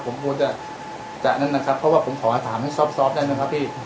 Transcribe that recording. ผมพูดจะจะนั่นนะครับเพราะว่าผมขอถามให้ซอฟต์ซอฟต์ได้ไหมครับพี่